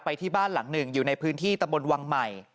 ที่บ้านหลังหนึ่งอยู่ในพื้นที่ตะบนวังใหม่